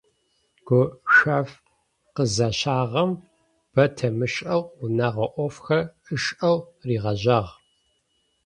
Гушъэф къызащагъэм бэ темышӏэу унэгъо ӏофхэр ышӏэу ригъэжьагъ.